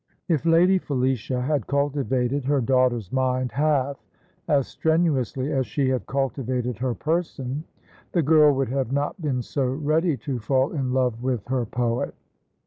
If Lady Felicia had cultivated her daughter's mind half as strenuously as she had cultivated her person, the girl would have not been so ready to fall in love with her poet.